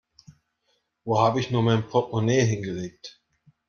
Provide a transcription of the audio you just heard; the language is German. Wo habe ich nur mein Portemonnaie hingelegt?